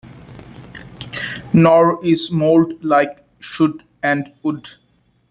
Nor is mould like should and would.